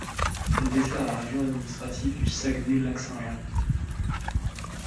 Elle dessert la région administrative du Saguenay-Lac-Saint-Jean.